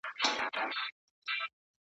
په سبا اعتبار نسته که هرڅو ښکاریږي ښکلی `